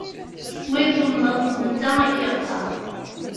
Win tumneḍ, netta a k-iɣder.